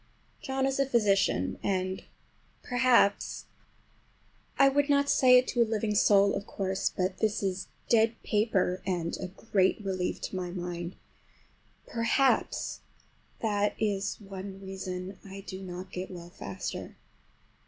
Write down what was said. John is a physician, and perhaps—(I would not say it to a living soul, of course, but this is dead paper and a great relief to my mind)—perhaps that is one reason I do not get well faster.